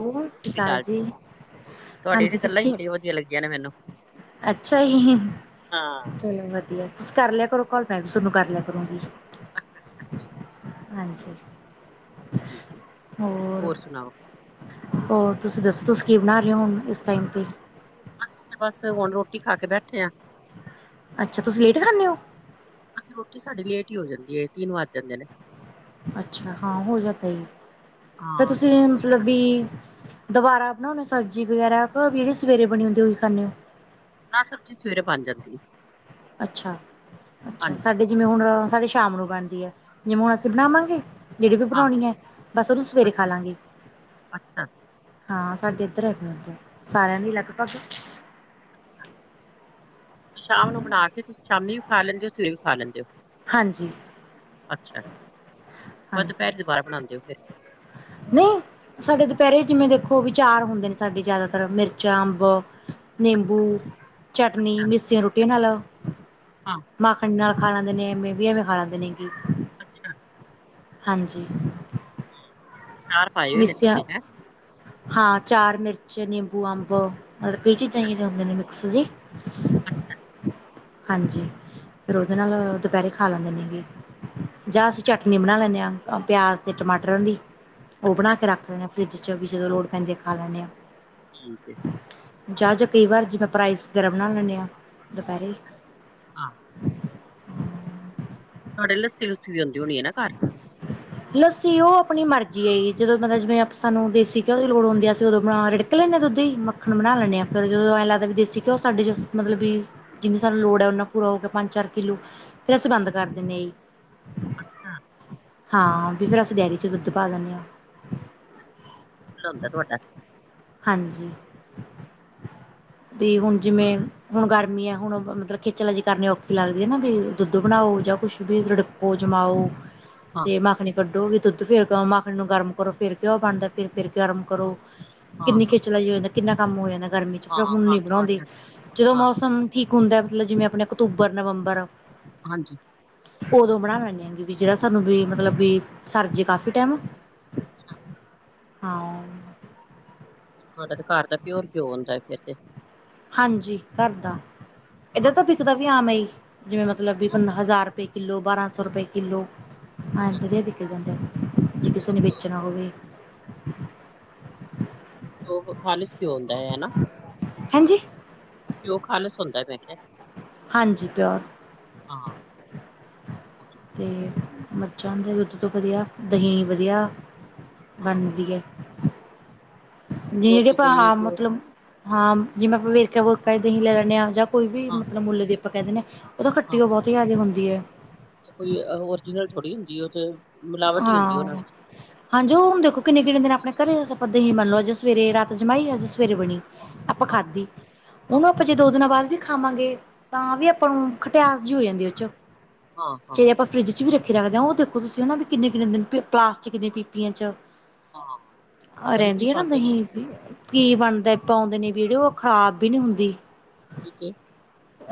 ਬਹੁਤ ਪਿਤਾ ਜੀ। ਤੁਹਾਡੀਆ ਹਾਂਜੀ ਤੇ ਤੁਸੀਂ ਗੱਲਾਂ ਹੀ ਠੀਕ ਬੜੀਆਂ ਵਧੀਆ ਲੱਗੀਆਂ ਨੇ ਮੈਨੂੰ। ਅੱਛਾ ਜੀ, ਹਾਂ। ਚਲੋ ਵਧੀਆ। ਤੁਸੀਂ ਕਰ ਲਿਆ ਕਰੋ ਕੌਲ ਮੈਂ ਵੀ ਤੁਹਾਨੂੰ ਕਰ ਲਿਆ ਕਰੂੰਗੀ। ਹ ਹ ਹ। ਹਾਂਜੀ। ਠੀਕ ਹੋਰ ਸੁਣਾਓ? ਹੋਰ ਤੁਸੀਂ ਦੱਸੋ ਤੁਸੀਂ ਕੀ ਬਣਾ ਰਹੇ ਹੋ ਹੁਣ ਇਸ ਟਾਈਮ 'ਤੇ? ਅਸੀਂ ਤੇ ਬਸ ਹੁਣ ਰੋਟੀ ਖਾ ਕੇ ਬੈਠੇ ਆ। ਅੱਛਾ ਤੁਸੀਂ ਲੇਟ ਖਾਂਦੇ ਹੋ। ਰੋਟੀ ਸਾਡੀ ਲੇਟ ਹੀ ਹੋ ਜਾਂਦੀ ਹੈਏ ਤਿੰਨ ਵੱਜ ਜਾਂਦੇ ਨੇ। ਅੱਛਾ ਹਾਂ ਹੋ ਜਾਂਦਾ ਜੀ ਫਿਰ ਹਾਂ, ਤੁਸੀਂ ਕਿਉਂਕਿ ਸਵੇਰੇ ਮਤਲਬ ਨਾ, ਵੀ। ਦੁਬਾਰਾ ਬਣਾਣੇ ਸਬਜ਼ੀ ਵਗੈਰਾ ਜਿਹੜੇ ਸਵੇਰੇ ਬਣੀ ਹੁੰਦੀ ਓਹੀ ਖਾਣੇ ਓ। ਨਾ ਸਬਜ਼ੀ ਸਵੇਰੇ ਬਣ ਜਾਂਦੀ ਆ। ਅੱਛਾ-ਅੱਛਾ ਸਾਡੀ। ਜਿਵੇਂ ਹੁਣ ਸਾਡੇ ਸ਼ਾਮ ਨੂੰ ਬਣਦੀ ਐ ਜਿਵੇਂ ਹੁਣ ਅਸੀਂ ਅੱਛਾ, ਬਣਾਵਾਂਗੇ। ਜਿਹੜੀ ਵੀ ਹਾਂ, ਬਣਾਉਣੀ ਐ ਬਸ ਉਹਨੂੰ ਸਵੇਰੇ ਖਾ ਅੱਛਾ, ਲਵਾਂਗੇ। ਅੱਛਾ। ਹਾਂ ਸਾਡੇ ਇੱਧਰ ਐ ਉਥ ਸਾਰਿਆਂ ਦੀ ਲਗਭਗ ਸ਼ਾਮ ਨੂੰ ਬਣਾ ਕੇ ਤੁਸੀਂ ਸ਼ਾਮੀ ਵੀ ਖਾ ਲੈਂਦੇ ਹੋ ਸਵੇਰੇ ਵੀ ਖਾ ਲੈਂਦੇ ਹੋ। ਹਾਂਜੀ ਅੱਛਾ [unintelligible] ਹਾਂਜੀ ਦੁਪਹਿਰੇ ਦੀ ਬਾਹਰ ਬਣਾਦੇ ਓ ਫਿਰ। ਨਹੀਂ ਸਾਡੇ ਦੁਪਹਿਰੇ ਜਿਵੇਂ ਦੇਖੋ ਵੀ ਚਾਰ ਹੁੰਦੇ ਨੇ ਸਾਡੇ ਜ਼ਿਆਦਾਤਰ ਮਿਰਚ ਅੰਬ ਨਿੰਬੂ, ਚਟਨੀ, ਅੱਛਾ, ਮਿੱਸੀਆਂ ਰੋਟੀਆਂ ਨਾਲ ਹਾਂ, ਮਾਖਣ ਨਾਲ ਖਾ ਲੈਂਦੇ ਨੇ ਐਵੇਂ ਵੀ ਐਵੇਂ ਖਾ ਲੈਂਦੇ ਨੇ ਕੀ। ਅੱਛਾ। ਹਾਂਜੀ। ਠੀਕ ਏ। ਅਚਾਰ ਪਾਏ ਹੋਏ ਨੇ ਮੀਸੀਆ ਤੁਸੀਂ, ਹੈਂ? ਹਾਂ ਚਾਰ, ਮਿਰਚ, ਨਿੰਬੂ, ਅੰਬ ਮਤਲਬ ਕਈ ਚੀਜ਼ ਅੱਛਾ, ਐਹੀ ਜਿਹੀ ਹੁੰਦੀਆਂ ਨੇ ਮਿਕਸ ਜੀ। ਹਾਂਜੀ ਫਿਰ ਉਹਦੇ ਨਾਲ ਦੁਪਹਿਰੇ ਖਾ ਲੈਂਦੇ ਨੇ। ਜਾਂ ਅਸੀਂ ਅੱਛਾ, ਚਟਨੀ ਬਣਾਈ ਲੈਣੇ ਪਿਆਜ਼ ਤੇ ਟਮਾਟਰ ਦੀ ਉਹ ਬਣਾ ਕੇ ਰੱਖ ਲੈਂਦੇ। ਫਰਿੱਜ 'ਚ ਵੀ ਜਦੋਂ ਲੋੜ ਪੈਂਦੀ ਖਾ ਲੈਂਦੇ ਆ। ਠੀਕ ਏ। ਜਾ ਜਾ ਕਈ ਵਾਰ ਜਿਵੇਂ ਆਪਾਂ ਰਾਈਸ ਵਗ਼ੈਰਾ ਬਣਾ ਲੈਣੇ ਹਾਂ ਦੁਪਹਿਰੇ। ਹਾਂ। ਸਾਡੇ ਲੱਸੀ ਲੁੱਸੀ ਵੀ ਹੁੰਦੀ ਹੋਣੀ ਨਾ ਘਰ। ਲੱਸੀ ਉਹ ਆਪਣੀ ਮਰਜ਼ੀ ਐ ਜੀ ਜਦੋਂ ਮਤਲਬ ਜਿਵੇਂ ਸਾਨੂੰ ਦੇਸੀ ਘਿਓ ਦੀ ਲੋੜ ਹੁੰਦੀ ਆ ਅਸੀਂ ਉਦੋਂ ਬਣਾ ਰ ਨਿਕ ਲੈਂਦੇ ਦੁੱਧ ਹੀ ਮੱਖਣ ਬਣਾ ਲੈਂਦੇ ਆ ਫਿਰ ਜਦੋਂ ਐਂ ਲੱਗਦਾ ਦੇਸੀ ਘਿਓ ਸਾਡੇ ਮਤਲਬ ਵੀ ਜਿੰਨੀ ਸਾਨੂੰ ਲੋੜ ਐ ਓਨਾ ਪੂਰਾ ਹੋ ਗਿਆ ਪੰਜ ਚਾਰ ਕਿੱਲੋ ਫਿਰ ਅਸੀਂ ਬੰਦ ਕਰ ਦਿੰਦੇ ਆ ਜੀ। ਅੱਛਾ। ਹਾਂ, ਵੀ ਫਿਰ ਅਸੀ ਡੇਅਰੀ ਚ ਦੁੱਧ ਪਾ ਦਿੰਦੇ ਹਾਂ। [unintelligible] ਤੁਹਾਡਾ। ਹਾਂਜੀ। ਵੀ ਹੁਣ ਜਿਵੇਂ ਹੁਣ ਗਰਮੀ ਐ ਹੁਣ ਮਤਲਬ ਖੇਚਲਾ ਜੀ ਕਰਨੀ ਔਖੀ ਲੱਗਦੀ ਆ ਨਾ ਵੀ ਦੁੱਧ ਬਣਾਓ ਜਾਂ ਕੁਛ ਰਿਡਕੋ ਵੀ ਜਮਾਓ। ਹਾਂ ਤੇ ਮਾਖਣੀ ਕੱਢੋ ਵੀ ਦੁੱਧ ਫਰ ਕਿਉਂ ਮਾਖਣੀ ਨੂੰ ਗਰਮ ਕਰੋ ਫਿਰ ਘਿਓ ਬਣਦਾ ਫਿਰ ਫਿਰ ਗਰਮ ਹਾਂ ਕਰੋ। ਹਾਂ ਕਿੰਨੀ ਖਿਚਲਾਾਈ ਹੋ ਜਾਂਦਾ, ਕਿੰਨਾ ਕੰਮ ਹੋ ਜਾਂਦਾ ਗਰਮੀ 'ਚ ਹਾਂ ਪਰ ਹਾਂ ਹੁਣ ਨੀ ਕੰਮ ਚ ਵੱਧ ਬਣਾਉਂਦੀ, ਜਾਂਦਾ ਹੈ। ਜਦੋਂ ਹਾਂ ਮੌਸਮ ਠੀਕ ਹੁੰਦਾ ਮਤਲਬ ਜਿਵੇਂ ਆਪਨਾ ਅਕਤੂਬਰ, ਨਵੰਬਰ ਹਾਂਜੀ। ਓਦੋਂ ਬਣਾ ਲੈਨੇ ਆਂਗੀ ਵੀ ਜੇੜਾ ਸਾਨੂੰ ਵੀ ਮਤਲਬ ਵੀ ਸਰਜੇ ਕਾਫੀ ਟੈਮ। ਅੱਛਾ। ਹਾਂ ਤਹਾਡਾ ਤੇ ਘਰ ਦਾ ਪਿਓਰ ਘਿਉ ਹੁੰਦਾ ਫਿਰ ਤੇ ਹਾਂਜੀ ਘਰ ਦਾ ਏਧਰ ਹਾਂ ਤਾਂ ਬਿਕਦਾ ਵੀ ਆਮ ਹੀ ਜਿਵੇਂ ਮਤਲਬ ਵੀ ਅੱਛਾ ਹਜ਼ਾਰ ਰੁਪ ਕਿੱਲੋ ਬਾਰ੍ਹਾਂ ਸੌ ਰੁਪਏ ਕਿੱਲੋ ਐ ਅੱਛਾ ਦੇ ਬਿਕ ਜਾਂਦਾ ਜੇ ਕਿਸੇ ਪਿਓਰ ਨੇ ਘਿਓ ਵੇਚਣਾ ਹੋਵੇ। ਖਾਲਿਸ ਘਿਉਂ ਹੁੰਦਾ ਹੈ ਨਾ ਹਂਜੀ ਕਿ ਉਹ [inaudible] ਖਾਣ ਹੁੰਦਾ ਮੈਂ ਕਿਹਾ ਹਾਂਜੀ ਪਿਓਰ ਹਾਂ। ਉਹ ਤੇ ਅਤੇ ਹੈ। ਮੱਝਾਂ ਦੇ ਦੁੱਧ ਤੋਂ ਵਧੀਆ ਦਹੀਂ ਵਧੀਆ ਹਾਂ ਬਣਦੀ ਹੈ। [inaudible] ਪਿਓਰ ਦੀ ਦਹੀਂ ਪਿਓਰ ਮਤਲਬ ਹਾਂ ਜਿਵੇਂ ਵੇਰਕਾ ਵੁਰਕਾ ਦਹੀਂ ਲੈ ਲੈਂਦੇ ਹਾਂ। ਜਾਂ ਕੋਈ ਵੀ ਹਾਂ ਮਤਲਬ ਮੁੱਲ ਦੀ ਆਪਾਂ ਕਹਿ ਦਿੰਦੇ ਹਾਂ। ਉਹ ਤਾਂ ਹਾਂ ਖੱਟੀ ਉਹ ਬਹੁਤ ਜ਼ਿਆਦਾ ਹੁੰਦੀ ਐ। ਕੋਈ ਓਰੀਜਨਲ ਥੋੜ੍ਹੀ ਹੁੰਦੀ ਉਹ ਤੇ। ਮਿਲਾਵਟ ਹੀ ਹੁੰਦੀ ਹਾਂ। ਉਹਨਾਂ ਵਿੱਚ ਹਾਂਜੀ ਉਹ ਹੁਣ ਦੇਖੋ ਕਿੰਨੇ ਕਿੰਨੇ ਦਿਨ ਆਪਣੇ ਘਰ ਆਪਾਂ ਦਹੀ ਮੰਨ ਲਓ ਜੇ ਸਵੇਰੇ ਰਾਤ ਜਮਾਈ ਅੱਜ ਸਵੇਰੇ ਬਣੀ ਆਪਾਂ ਹਾਂ ਖਾਧੀ। ਹਾਂ ਉਹਨੂੰ ਆਪਾਂ ਜੇ ਦੋ ਦਿਨਾਂ ਬਾਅਦ ਵੀ ਖਾਵਾਂਗੇ ਤਾਂ ਵੀ ਆਪਾਂ ਨੂੰ ਖਟਿਆਸ ਜੀ ਹੋ ਜਾਂਦੀ ਆ ਉਹਦੇ ਚੋਂ। ਹਾਂ ਹਾਂ ਜੇ ਆਪਾਂ ਫਰਿੱਜ ਚ ਵੀ ਰੱਖੀ ਰੱਖਦੇ ਹਾਂ ਉਹ ਦੇਖੋ ਤੁਸੀਂ ਵੀ ਕਿੰਨੇ ਕਿੰਨੇ ਦਿਨ ਪਸ ਚ ਕਿਦੇ ਹੋਰ? ਪੀਪੀਆਂ ਚ ਹਾਂ ਪਤਾ ਨੀ ਕੀ ਰਹਿੰਦੀਆਂ ਆ ਨਾ ਪਾਉਂਦੇ ਨੇ ਦਹੀ। ਕੀ ਬਣਦਾ ਪਾਉਂਦੇ ਨੇ ਪੀੜ, ਓ ਖ਼ਰਾਬ ਵੀ ਨੀ ਹੁੰਦੀ। ਠੀਕ ਏ।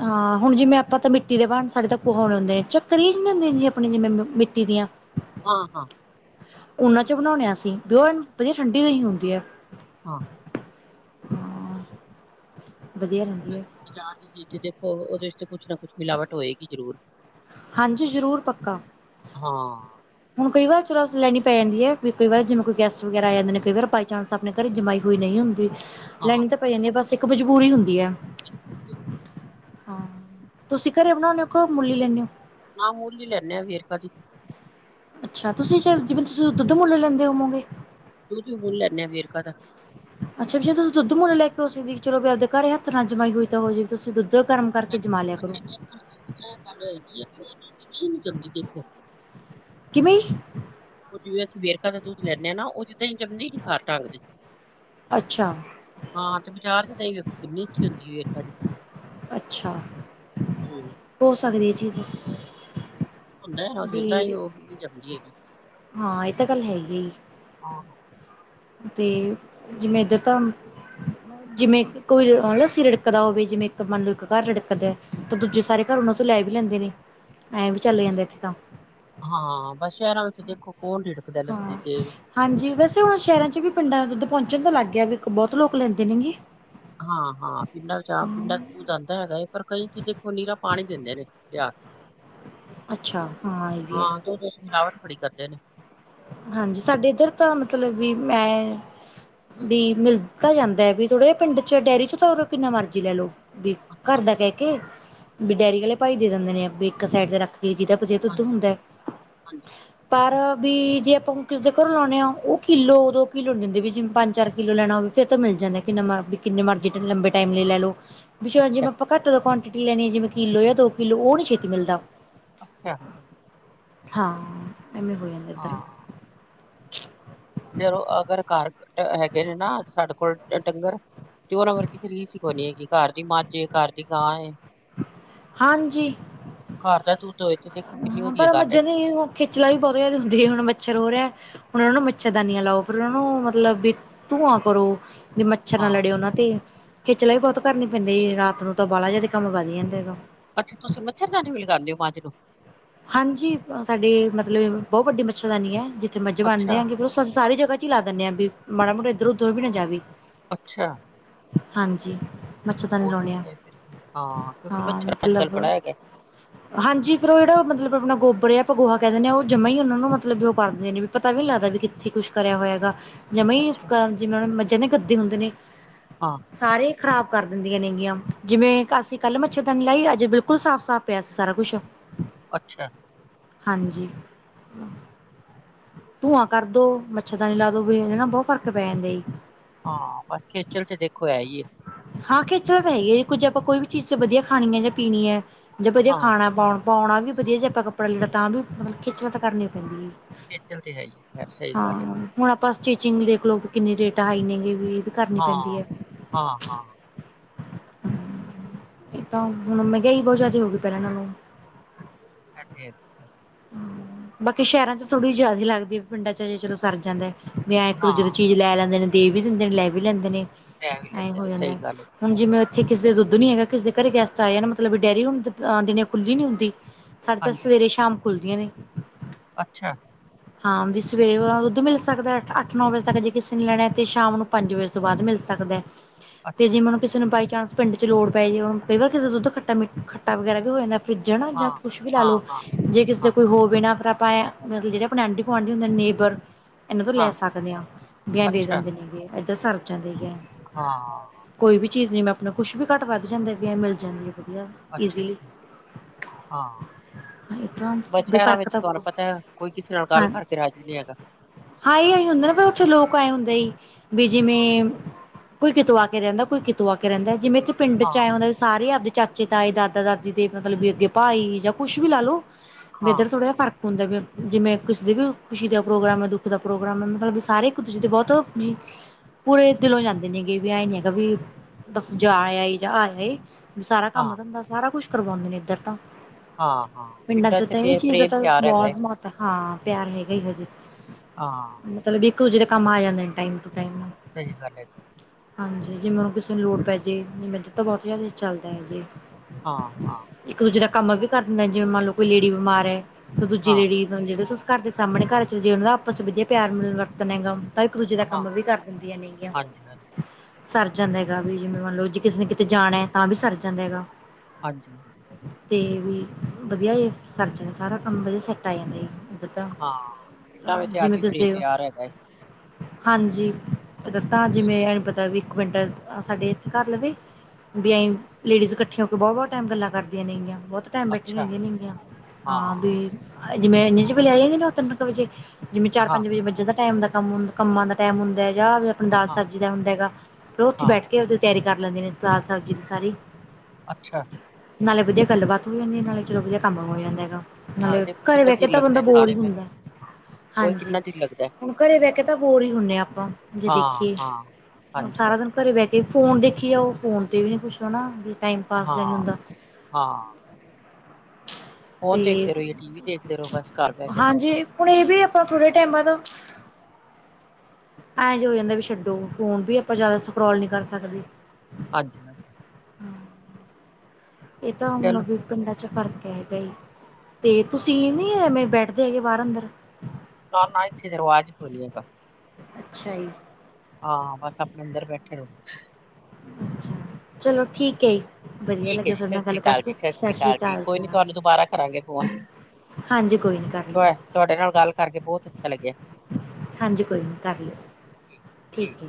ਹਾਂ ਹੁਣ ਜਿਵੇਂ ਆਪਾਂ ਤਾਂ ਮਿੱਟੀ ਦੇ ਬਣ ਸਾਡੇ ਤਾਂ ਕੁਹਾਣੇ ਹੁੰਦੇ ਨੇ ਚੱਕਰ ਹੀ ਨੀ ਹੁੰਦੇ ਆਪਣੇ ਜਿਵੇਂ ਮਿੱਟੀ ਦੀਆਂ। ਹਾਂ, ਹਾਂ। ਉਨਾਂ ਚ ਬਣਾਉਂ ਹ ਅਸੀਂ ਵੀ ਉਹ ਵਧੀਆ ਠੰਡੀ ਦਹੀ ਹੁੰਦੀ ਹੈ। ਹਾਂ ਵਧੀਆ ਲਹਿੰਦੀ ਹੈ। ਦੇਖੋ ਉਹਦੇ ਤੇ ਕੁਛ ਨਾ ਕੁਛ ਮਿਲਾਵਟ ਹੋਏਗੀ ਜ਼ਰੂਰ ਹਾਂਜੀ ਜ਼ਰੂਰ ਪੱਕਾ ਹਾਂ ਹੁਣ ਕਈ ਵਾਰ ਚਲ ਲੈਣੀ ਪੈ ਜਾਂਦੀ ਹੈ ਵੀ ਕਈ ਵਾਰ ਜਿਵੇ ਕੋਈ ਗੈਸ ਵਗੈਰਾ ਆ ਜਾਂਦੇ ਨੇ ਕਈ ਵਾਰ ਬਾਈ ਚਾਂਸ ਤਾਂ ਆਪਣੇ ਘਰੇ ਜਮਾਈ ਹੋਈ ਨਹੀਂ ਹੁੰਦੀ, ਹਾਂ ਲੈਣੀ ਤਾਂ ਪੈ ਜਾਂਦੀ ਬੱਸ ਇੱਕ ਮਜਬੂਰੀ ਹੁੰਦੀ ਹੈ। ਮੈਂ ਵਧੀਆ ਕੀਤੀ ਹੈ। ਹਾਂ, ਤੁਸੀਂ ਘਰੇ ਬਣਾਉਂਦੇ ਹੋ, ਕੀ ਮੁੱਲ ਦੀ ਲੈਂਦੇ ਹੋ? ਨਾ ਮੁੱਲ ਦੀ ਲੈਂਨੇ ਆ ਵੇਰਕਾ ਦੀ। ਅੱਛਾ, ਤੁਸੀਂ ਜਿਵੇਂ ਤੁਸੀਂ ਦੁੱਧ ਮੁੱਲੇ ਲੈਂਦੇ ਹੋਵੋਗੇ। ਦੁੱਧ ਤੁਸੀਂ ਹੁਣ ਲੈਂਦੇ ਆ ਵੇਰਕਾ ਦਾ। ਅੱਛਾ ਵੀ ਜੇ ਤੁਸੀਂ ਦੁੱਧ ਮੋਣ ਲੈ ਕੇ ਸੀ। ਚੋ ਵੀ ਆਪਦੇ ਘਰ ਹੱਥ ਨਾਲ ਜਮਾਈ ਹੋਈ, ਤਾਂ ਹੋ ਜਵੇ ਤੁਸੀਂ ਦੁੱਧ ਗਰਮ ਕਰਕੇ ਜਮਾ ਲਿਆ ਕਰੋ। ਅੱਛਾ ਇਹ ਗੱਲ ਹੋ ਜਾਂਦੀ ਹੈ ਉਹਦੇ ਤੋਂ ਦਹੀਂ ਨਹੀਂ ਜੰਮਦੀ ਦੇਖੋ। ਕਿਵੇਂ। ਉਹ ਜਿਵੇਂ ਅਸੀਂ ਵੇਰਕਾ ਦਾ ਦੁੱਧ ਲੈਂਨੇ ਨਾ ਉਹਦੀ। ਅੱਛਾ [inaudible] ਹਾਂ ਤੇ ਬਾਜ਼ਾਰ ਚ ਦਹੀ ਵੇਖੋ, ਕਿਨੀ ਅੱਛੀ ਹੁੰਦੀ ਏ ਗਾੜੀ। ਅੱਛਾ, ਹੂੰ ਹੋ ਸਕਦੀ ਇਹ ਚੀਜ਼ ਹੁੰਦਾ ਤਾਹੀ ਵੀ ਉਹ ਜਮਦੀ ਹੈਗੀ ਹਾਂ ਇਹ ਤਾਂ ਗੱਲ ਹੈਗੀ ਆਹ ਤੇ ਜਿਵੇ ਇੱਧਰ ਤਾਂ- ਜਿਵੇ ਕੋਈ ਲੱਸੀ ਰਿੜਕਦਾ ਹੋਵੇ ਜਿਵੇ ਇਕ ਮੰਨ ਲਓ ਇਕ ਘਰ ਰਿੜਕਦਾ ਤਾਂ ਦੂਜੇ ਸਾਰੇ ਘਰ ਉਹਨਾਂ ਤੋ ਲੈ ਵੀ ਲੈਦੇ ਨੇ ਐ ਵੀ ਚੱਲ ਜਾਂਦਾ ਇਥੇ ਤਾਂ ਹਾਂ, ਬਸ ਸ਼ਹਿਰਾਂ ਵਿਚ ਦੇਖੋ ਕੌਣ ਰਿੜਕਦਾ ਲੱਸੀ ਤੇ ਹਾਜੀ, ਵੈਸੇ ਹੁਣ ਸ਼ਹਿਰਾਂ 'ਚ ਵੀ ਪਿੰਡਾਂ ਦੇ ਦੁੱਧ ਪਹੁੰਚਣ ਤਾਂ ਲੱਗ ਗਿਆ ਵੀ ਇਕ ਬਹੁਤ ਲੋਕ ਲੈਦੇ ਨੇਗੇ ਹਾਂ-ਹਾਂ ਪਿੰਡਾਂ ਵਿਚ ਪਿੰਡਾਂ 'ਚ ਦੂਧ ਆਉਂਦਾ ਹੈਗਾ ਏ ਪਰ ਕਈ 'ਚ ਦੇਖੋ ਨੀਰਾ ਪਾਣੀ ਦਿੰਦੇ ਨੇ ਜਾ- ਅੱਛਾ ਹਾਂ ਇਹ ਵੀ ਐ। ਮਿਲਾਵਟ ਬੜੀ ਕਰਦੇ ਨੇ ਹਾਂਜੀ ਸਾਡੇ ਇੱਧਰ ਤਾਂ ਮਤਲਬ ਵੀ ਮੈ- ਵੀ ਮਿਲ ਤਾਂ ਜਾਂਦਾ, ਵੀ ਥੋੜੇ ਜਹੇ ਪਿੰਡ 'ਚ ਡੇਅਰੀ 'ਚ ਤਾਂ ਕਿੰਨਾ ਮਰਜ਼ੀ ਲੈ ਲੋ ਘਰ ਅੱਛਾ, ਦਾ ਕਹਿ ਕੇ ਵੀ ਅੱਛਾ, ਡੈਰੀ ਵਾਲੇ ਭਾਈ ਦੇ ਦਿੰਦੇ ਨੇ ਇਕ ਸਾਈਡ ਦਾ ਰੱਖ ਕੇ ਜਿਦਾ ਜੇ ਦੁੱਧ ਹਾਂਜੀ, ਹੁੰਦਾ ਹਾਂਜੀ, ਪਰ- ਵੀ ਜੇ ਆਪਾਂ ਹੁਣ ਕਿਸੇ ਦੇ ਘਰੋ ਲਾਉਨੇ ਆ ਉਹ ਕਿਲੋ ਦੋ ਕਿਲੋ ਨ ਦਿੰਦੇ ਵੀ ਜਿਵੇ ਪੰਜ-ਚਾਰ ਕਿਲੋ ਲੈਣਾ ਹੋਵੇ ਫਿਰ ਤਾਂ ਮਿਲ ਜਾਂਦਾ ਕਿਨਾ ਮਰ ਕਿਨੇ ਮਰਜ਼ੀ ਲੰਬੇ ਟਾਈਮ ਲੈ ਲੈ ਲਓ ਵੀ ਜਿਵੇ ਅੱਛਾ, ਆਪਾ ਘੱਟ ਦਾ ਕੁਆਂਟਿਟੀ ਲੈਣੀ ਹਾਂ ਜਿਵੇ ਕਿਲੋ ਜਾਂ ਦੋ ਕਿਲੋ ਉਹ ਨੀ ਛੇਤੀ ਮਿਲਦਾ ਅਛਾ- ਹਾਂ ਐਵੇਂ ਹੋਇਆ। ਹਾਂ ਚਲੋ ਅਗਰ ਘਰ ਹੈਗੇ ਨੇ ਨਾ, ਸਾਡੇ ਕੋਲ ਡੰਗਰ ਤੇ ਉਹਨਾਂ ਵਰਗੀ ਕੋਈ ਰੀਸ ਈ ਹੁਣ ਇਹ ਘਰ ਦੀ ਮੱਝ ਏ ਘਰ ਦੀ ਗਾਂ ਏ। ਹਾਂਜੀ। ਘਰ ਦਾ ਦੂਧ ਹੋਵੇ ਤੇ ਦੇਖੋ ਕਿੰਨੀ ਹਾਂ ਵਧੀਆ ਪਰ ਗੱਲ ਮੱਝਾਂ ਦੀ ਹੈਗੀ ਖੇਚਲਾ ਵੀ ਬਹੁਤ ਜਾਦਾ ਹੁੰਦੀ ਹੁਣ ਮਛਰ ਹੋ ਰਿਹੈ। ਹੁਣ ਉਹਨਾ ਨੂੰ ਮੱਛਰਦਾਨੀਆਂ ਲਾਓ ਫਿਰ ਉਹਨਾਂ ਨੂੰ ਮਤਲਬ ਵੀ ਧੂੰਆਂ ਕਰੋ ਵੀ ਮੱਛਰ ਨਾਲ ਹਾਂ, ਲੜੇ ਉਹਨਾਂ ਤੇ- ਖੇਚਲਾ ਵੀ ਬਹੁਤ ਕਰਨੀ ਪੈਦੀ ਹੈ, ਜ ਰਾਤ ਨੂੰ ਤਾਂ ਬਾਹਲਾ ਜਾਦਾ ਕੰਮ ਵਧ ਜਾਂਦਾ ਹੈਗਾ। ਅੱਛਾ! ਤੁਸੀਂ ਮੱਛਰਦਾਨੀ ਵੀ ਲਗਾਂਦੇ ਆ ਮੱਝ ਨੂੰ। ਹਾਂਜੀ ਸਾਡੇ ਮਤਲਬ ਬਹੁਤ ਵਡੀ ਮੱਛਰਦਾਨੀ ਐ, ਜਿਥੇ ਮੱਝ ਬਨਦੇ ਅੱਛਾ, ਆਗੇ ਸ ਅ- ਸਾਰੀ ਜਗ੍ਹਾ 'ਚ ਲਾ ਦਿੰਦੇ ਆ ਵੀ ਮਾੜਾ-ਮੋਟਾ ਇਧਰ ਉਧਰ ਵੀ ਨਾ ਜਾਵੇ ਅੱਛਾ! ਹਾਂਜੀ ਮੱਛਰਦਾਨੀ ਬਹੁਤ ਲੋਨੇ ਆ ਵਧੀਆ ਹੈ ਫਿਰ ਤੇ ਹਾਂ ਕਿਉਂਕਿ ਹਾਂ ਮੱਛਰ ਅੱਜ-ਕੱਲ ਮਤਲਬ- ਬੜਾ ਹੈਗਾ। ਹਾਂਜੀ ਫਰੋਇਡੋ [unintelligible] ਮਤਲਬ ਆਪਣਾ ਗੋਬਰ ਜਾ ਆਪਾ ਗੋਹਾ ਕਹਿ ਦਿੰਦੇ ਆ ਉਹ ਜਮਾ ਹੀ ਉਹਨਾ ਨੂੰ ਮਤਲਬ ਜੋ ਉਹ ਕਰਦੇ ਨੇ ਵੀ ਪਤਾ ਵੀ ਨੀ ਕਿਤੇ ਇਥੇ ਕੁਛ ਕਰਿਆ ਹੋਇਆ ਹੈਗਾ ਜਮਾਂ ਈ ਅੱਛਾ, ਜਿਵੇ ਮੱਝਾਂ ਦੇ ਗੱਦੇ ਹੁੰਦੇ ਨੇ ਆ। ਸਾਰੇ ਖਰਾਬ ਕਰ ਦਿੰਦੀਆਂ ਨੇਗੀਆਂ, ਜਿਵੇ ਅਸੀ ਕਲ ਮੱਛਰਦਾਨੀ ਲਾਈ ਅਜ ਬਿਲਕੁਲ ਸਾਫ਼- ਸਾਫ਼ ਪਿਆ ਸਾਰਾ ਕੁਛ- ਅਛਾ- ਹਾਂਜੀ- ਧੂੰਆਂ ਕਰ ਦੋ ਮੱਛਰਦਾਨੀ ਲਾ ਦੋ ਵੀ ਨਾ ਬਹੁਤ ਫ਼ਰਕ ਪੈ ਜਾਂਦਾ ਜੀ। ਹਾਂ ਬਸ ਖੇਚਲ ਤੇ ਦੇਖੋ ਹੈ ਈ ਏ- ਹਾਂ ਖੇਚਲਾ ਤਾਂ ਹੈਗੀ ਜੀ ਕੁੱਝ ਆਪਾ ਕੋਈ ਵੀ ਚੀਜ਼ ਵਧੀਆ ਖਾਣੀ ਹੈ ਜਾਂ ਪੀਣੀ ਹੈ ਜਾਂ ਵਧੀਆ ਹਾਂ ਖਾਣਾ ਪਾਉਣ ਪਾਉਣਾ ਵੀ ਵਧੀਆ ਜੇ ਆਪਾਂ ਕੱਪੜਾ- ਲੀੜਾ ਤਾਂ ਵੀ ਮਤਲਬ ਖੇਚਲਾ ਤਾਂ ਕਰਨੀ ਪੈਂਦੀ ਆ ਜੀ। ਖੇਚਲ ਤੇ ਹੈ ਈ ਐ ਸਹੀ ਗੱਲ ਹੈ। ਹੁਣ ਆਪਾਂ ਸਟਿਚਿੰਗ ਦੇਖ ਲਓ ਵੀ ਕਿਨੀ ਰੇਟ ਹਾਈ ਨੇ ਵੀ ਇਹ ਵੀ ਕਰਨੀ ਹਾਂ, ਪੈਦੀ ਹੈ। ਹਾਂ- ਹਾਂ- ਇਹ ਤਾਂ ਹੁਣ ਮੰਗੇਯਾਈ ਬਹੁਤ ਜ਼ਿਆਦਾ ਹੋ ਗਈ ਪਹਿਲਾਂ ਨਾਲੋਂ ਹਾਂਜੀ-ਹਾਂਜੀ। ਬਾਕੀ ਸ਼ਹਿਰਾਂ 'ਚ ਥੋੜ੍ਹੀ ਜਾਦਾ ਲੱਗਦੀ ਹੈ, ਪਿੰਡਾਂ 'ਚ ਚਲੋ ਸਰ ਜਾਂਦਾ। ਵੀ ਐਂ ਇੱਕ -ਦੂਜੇ ਦੀ ਹਾਂ, ਚੀਜ਼ ਲੈ ਲੈਂਦੇ ਨੇ ਦੇ ਵੀ ਦਿੰਦੇ ਨੇ, ਲੈ ਵੀ ਲੈਂਦੇ ਨੇ, ਲੈ ਵੀ ਐਂ ਲੈਂਦੇ ਹੋ ਨੇ ਜਾਂਦਾ। ਸਹੀ ਗੱਲ ਹੈ। ਹੁਣ ਜਿਵੇਂ ਇੱਥੇ ਕਿਸੇ ਦੇ ਦੁੱਧ ਨੀ ਹੈਗਾ, ਕਿਸੇ ਦੇ ਘਰੇ ਗੈਸਟ ਆਏ ਆ ਨਾ ਮਤਲਬ ਡੇਅਰੀ ਨੂੰ ਦੇਣੀ ਖੁੱਲੀ ਨੀ ਹੁੰਦੀ। ਸਾਡੇ ਤਾਂ ਹਾਂਜੀ, ਸਵੇਰੇ- ਸ਼ਾਮ ਖੁੱਲਦੀਆਂ ਨੇ। ਅੱਛਾ। ਹਾਂ ਵੀ ਸਵੇਰੇ ਅਲਾ ਦੁੱਧ ਮਿਲ ਸਕਦਾ ਅੱਠ- ਨੌ ਵਜੇ ਤੱਕ ਜੇ ਕਿਸੇ ਨੇ ਲੈਣਾ ਤੇ ਸ਼ਾਮ ਨੂੰ ਪੰਜ ਵਜੇ। ਤੋਂ ਬਾਅਦ ਮਿਲ ਸਕਦਾ। ਤੇ ਅੱਛਾ, ਜਿਵੇਂ ਹੁਣ ਕਿਸੇ ਨੂੰ ਬਾਈ ਚਾਂਸ ਪਿੰਡ ਚ' ਲੋੜ ਪੈ ਜਵੇ। ਕਈ ਵਾਰ ਕਿਸੇ ਦਾ ਦੁੱਧ ਖੱਟਾ ਮ ਖੱਟਾ ਵਗੈਰਾ ਵੀ ਹੋ ਜਾਂਦਾ। ਫਿੱ ਜਾਂ ਨਾ ਹਾਂ, ਜਾਂ ਕੁਛ ਵੀ ਲਾ ਹਾਂ, ਲਓ ਹਾਂ, ਜੇ ਕਿਸ ਜ ਹਾਂ, ਕੋ ਹੋ ਬਿ ਨਾ ਫਿਰ ਆਪਾਂ ਜੇੜੇ ਆਪਣੇ ਆਂਢੀ- ਗੁਆਂਂਢੀ ਹੁੰਦੇ ਨੇਬਰ। ਇਹਨਾਂ ਤੋਂ ਲੈ ਹਾਂ, ਸਕਦੇ ਆ ਵੀ ਐਂ ਦੇ ਅੱਛਾ, ਦਿੰਦੇ ਨੇ ਵੀ ਇਏਧਾਂ ਸਰ ਜਾਂਦੇ ਗ। ਹਾਂ। ਕੋਈ ਵੀ ਚੀਜ਼ ਜਿਵੇਂ ਆਪਣਾ ਕੁਛ ਵੀ ਘੱਟ-ਵੱਧ ਜਾਂਦਾ ਵੀ ਐ ਮਿਲ ਜਾਂਦੀ। ਵਧੀਆ। ਅੱਛਾ, ਇਜ਼ੀਲੀ, ਅੱਛਾ, ਹਾਂ। ਇੱਕਾਂ [unintelligible] ਬਸ ਸ਼ਹਿਰਾਂ ਵਿੱਚ ਤੁਹਾਨੂੰ ਪਤਾ ਐ ਕੋਈ ਕਿਸੇ ਨਾਲ ਗੱਲ ਕਰਕੇ ਰਾਜੀ ਨੀ ਹੈਗਾ। ਹਾ ਹੀ ਆ ਹੀ ਹੁੰਦਾ ਨਾ ਪਰ ਉੱਥੇ ਲੋਕ ਆਏ ਹੁੰਦਾ। ਹੀ ਵੀ ਜਿਵੇਂ [unintelligible] ਕੋਈ ਕਿਤੋਂ ਆ ਕੇ ਰਹਿੰਦਾ ਕੋਈ ਕਿਤੋਂ ਆ ਕੇ ਰਹਿੰਦਾ ਜਿਵੇਂ ਪਿੰਡ ਚ ਹਾਂ, ਆਏ ਉਹ ਵੀ ਸਾਰੇ ਆਪਦੇ ਚਾਚੇ ਤਾਏ ਦਾਦਾ- ਦਾਦੀ ਦੇ ਮਤਲਬ ਵੀ ਅੱਗੇ ਭਾਈ ਜਾਂ ਕੁੱਛ ਵੀ ਲਾ ਲੋੋ। ਹਾਂ, ਵਦਰ ੋੜ੍ਹਾਹਾਰਕ [unintelligible] ਹੁੰਦਾ ਵੀ ਜਿਵੇ ਕਿਸੇ ਦੇ ਵੀ ਖੁਸ਼ੀ ਦਾ ਪ੍ਰੋਗਰਾਮ ਹੈ ਦੁੱਖ ਦਾ ਪ੍ਰੋਗਰਾਮ ਹੈ ਮਤਲਬ ਲੱਗ ਸਾਰੇ ਇਕ ਦੂਜੇ ਦੇ ਬਹੁਤ ਪੂਰੇ ਦਿਲੋ ਜਾਂਦੇ ਨੇ ਗ ਵੀ ਐਂ ਨ ਹੈਗਾ ਵੀ ਬੱਸ ਜਾ ਆਇਆ ਜਾ ਆਇਆ ਏ [unintelligible] ਸਾਰਾ ਕਮ ਹਾਂ, ਧੰਦਾ ਸਾਰਾ ਕੁਛ ਕਰਵਾਉਦੇ ਨੇ ਇਧਰ ਤਾਂ ਹਾਂ ਹਾਂ ਪਿੰਡਾਂ ਪਿੰਡ 'ਚ ਇਹ ਚੀਜ਼ ਦਾ ਤਾਂ ਬਹੁਤ [unintelligible] ਮਤਲਬ ਹਾਂ ਪਿਆਰ ਹੈਗਾ ਹੀ ਹਜੇ ਹਾਂ, ਚਲੋ ਇੱਕ- ਦੂਜੇ ਦੇ ਕੰਮ ਆ ਜਾਂਦੇ ਨੇ ਮਿੰਟਾਂ ਚ' ਮਿੰਟਾਂ। [unintelligible] ਸਹੀ ਗਲ ਹੈ। ਹਾਂਜੀ। ਜੇ ਮੈਨੂੰ ਕਿਸੇ ਨੂੰ ਲੋੜ ਪੈ ਜੇ ਮੈਂ ਦਿੱ ਤਾਂ ਬਹੁਤ ਚੱਲਦਾ ਹੈ ਜੀ। [unintelligible] ਹਾਂ- ਹਾਂ। ਇੱਕ ਦੂਜੇ ਦਾ ਕੰਮ ਵੀ ਕਰ ਦਿੰਦਾ ਜਿਵੇਂ ਮੰਨ ਲੌ ਕੋਈ ਲੇਡੀ ਬਿਮਾਰ ਹੈ ਤੇ ਦੂਜੀ ਹਾਂ, ਲੇਡੀ ਜਿਹੜੇ ਤੁਸੀ ਘਰ ਦੇ ਸਾਹਮਣੇ ਘਰ ਚ ਜੇ ਉਹਨਾਂ ਆਪਸ ਚ ਵਧੀਆ ਪਿਆਰ ਵਰਤਣ ਹੈਗਾ। ਇੱਕ ਦੂਜੇ ਦਾ ਹਾਂ, ਕੰਮ ਵੀ ਕਰ ਦਿੰਦੀਆਂ ਨਹੀਂ ਆ। ਹਾਂਜੀ, ਹਾਂਜੀ, [unintelligible] ਸਰ ਜਾਂਦਾ ਹੈਗਾ ਵੀ ਜਿਵੇਂ ਮੰਨ ਲਓ ਜੇ ਕਿਸੇ ਨੇ ਕਿਤੇ ਜਾਣਾ ਹੈ ਤਾਂ ਵੀ ਸਰ ਜਾਂਦਾ ਹੈਗਾ। ਹਾਂਜੀ, ਹਾਂ। [unintelligible] ਤੇ ਵੀ ਵਧੀਆ ਸਰ ਸਾਰਾ ਕੰਮ ਵਧੀਆ ਸੈੱਟ ਆ ਜਾਂਦਾ। ਹਾਂ। ਪਿੰਡਾਂ ਵਿੱਚ ਅੱਜ ਜਿਵੇਂ ਵੀ ਕੁਸੀ ਪ੍ਰੇਮ ਦਿ ਹੋ ਪਿਆਰ ਹੈਗਾ ਏ। ਹਾਂਜੀ। [unintelligible] ਤਾਂ ਜਿਵੇਂ ਇਹਨੂੰ ਪਤਾ ਵੀ ਇੱਕ ਮਿੰਟ ਸਾਡੇ ਇੱਥੇ ਕਰ ਲਵੇ। ਵੀ ਆਹੀਂ ਲੇਡੀਜ਼ ਇਕੱਠੀਆਂ ਹੋ ਕੇ ਬਹੁਤ ਬਹੁਤ ਟਾਈਮ ਗੱਲਾਂ ਕਰਦੀਆਂ ਨੇ ਗੀਆਂ। ਬਹੁਤ ਟਾਈਮ ਬੈਠੀਆਂ ਅੱਛਾ, ਜਾਂਦੀਆਂ ਨੇ ਗੀਆਂ। ਹਾਂ। ਵੀ ਜਿਵੇਂ ਇਨ ਚ, ਪ ਲਿਆਈੇ। [unintelligible] ਜਿਵੇਂ ਚਾਰ ਹਾਂ, ਪੰਜ ਵਜੇ ਬੱਚੇ ਦਾ ਟਾਈਮ ਹੁੰਦਾ ਕੰਮ ਕੰਮਾਂ ਦਾ ਟਾਈਮ ਹੁੰਦਾ। ਜਾਂ ਫ ਦਾਲ ਹਾਂ, ਸਬਜ਼ੀ ਦਾ ਹੁੰਦਾ ਹੈਗਾ ਫਿਰ ਉਹ ਉੱਥੇ ਹਾਂ, ਬੈਠ ਕੇ ਉਹਦੀ ਤਿਆਰੀ ਕਰ ਲੈਂਦੇ ਨੇ ਦਾਲ ਸਬਜ਼ੀ ਦੀ ਸਾਰੀ। ਅੱਛਾ। ਨਾਲੇ ਵਧੀਆ ਗੱਲਬਾਤ ਹੋ ਜਾਂਦੀ ਹੈ ਨਾਲੇ ਚਲੋ ਵਧੀਆ ਕੰਮ ਹੋ ਜਾਂਦਾ ਹੈਗਾ। ਨਾਲੇ ਮਤਲਬ ਤੇ [unintelligible] ਘਰੇ ਕਿੰਨਾ ਬਹਿ ਕੇ ਚਿਰ ਤਾਂ ਲੱਗਦਾ ਬੰਦਾ ਹੈ ਬੋਰ ਹੀ ਸਾਰੇ ਭੈਣ ਹੁੰਦਾ। ਉਹ ਹਾਂਜੀ ਕਿੰਨਾ ਚਿਰ ਲੱਗਦਾ ਹੈ। ਹੁਣ ਘਰੇ ਬਹਿ ਕੇ ਤਾਂ ਬੋਰ ਹੀ ਹੁੰਦੇ ਹਾਂ ਆਪਾਂ ਜੇ ਹਾਂ ਦੇਖੀਏ। ਹਾਂ ਹਾਂਜੀ ਸਾਰਾ ਦਿਨ ਹਾਂਜੀ ਘਰੇ ਬਹਿ ਕੇ ਫੋਨ ਦੇਖੀ ਜਾਓ ਉਹ ਫੋਨ ਤੇ ਵੀ ਨੀ ਕੁੱਛ ਨਾ ਵੀ ਟਾਈਮ ਪਾਸ ਹਾਂ ਜਿਹਾ ਨਹੀ ਹੁੰਦਾ। ਹਾਂ। ਫੋਨ ਤੇ ਦੇਖਦੇ ਰਹੋ ਜਾਂ ਟੀ ਵੀ ਦੇਖਦੇ ਰਹੋ ਬਸ ਘਰ ਬਹਿ ਕੇ ਤੇ। ਹਾਂਜੀ ਹੁਣ ਇਹ ਵੀ ਆਪਾਂ ਥੋੜ੍ਹੇ ਟਾਈਮਾਂ ਤੋਂ ਐਂ ਜੇ ਹੋ ਜਾਂਦਾ ਵੀ ਛੱਡੋ ਫੋਨ ਵੀ ਆਪਾਂ ਜ਼ਿਆਦਾ ਸਕਰੋਲ ਨਹੀਂ ਕਰ ਸਕਦੇ। ਹਾਂਜੀ-ਹਾਂਜੀ। [unintelligible] ਚਲੋ ਕ ਹੀ ਹਾਂ, ਤੇ ਤੁਸੀਂ ਨੀ ਐਵੇਂ ਬੈਠਦੇ ਹੈਗੇ ਬਾਹਰ ਅੰਦਰ। [unintelligible] ਨਾ-ਨਾ ਇੱਥੇ ਤੇ ਰਿਵਾਜ਼ ਹੀ ਕੋਈ ਨੀ ਹੇਗਾ। ਅੱਛਾ ਜੀ। ਹਾਂ ਬਸ ਆਪਣੇ ਅੰਦਰ ਬੈਠੇ ਰਹੋ। ਅੱਛਾ ਚਲੋ ਠੀਕ ਜੀ। ਵਧੀਆ ਠੀਕ ਹੈ ਲੱਗਿਆ ਜੀ ਤੁਹਾਡੇ ਸਤਿ ਨਾਲ ਸ਼੍ਰੀ ਗੱਲ ਅਕਾਲ ਕਰਕੇ ਜੀ ਸਤਿ ਸ਼੍ਰੀ ਅਕਾਲ ਜੀ ਕੋਈ ਨੀ ਤੁਹਾਨੂੰ ਦੁਬਾਰਾ ਕਰਾਂਗੇ ਫੋਨ। ਹਾਂਜੀ ਕੋਈ ਨੀ ਕਰ। ਲਿਓ ਤ ਤੁਹਾਡੇ ਨਾਲ ਗੱਲ ਕਰਕੇ ਬਹੁਤ ਅੱਛਾ ਲੱਗਿਆ। ਹਾਂਜੀ ਕੋਈ ਨਹੀਂ ਕਰ ਲਿਓ ਠੀਕ ਹੈ।